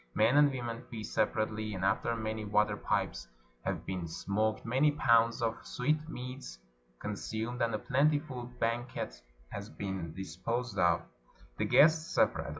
Men and women feast separately; and after many water pipes have been smoked, many pounds of sweetmeats con sumed, and a plentiful banquet has been disposed of, the guests separate.